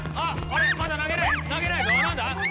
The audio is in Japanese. まだ投げない投げないぞなんだ？